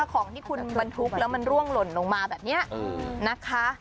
ของที่คุณบรรทุกแล้วมันร่วงหล่นลงมาแบบนี้นะคะ